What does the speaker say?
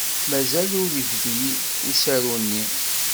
Mazal ur yebdi usaru-nni.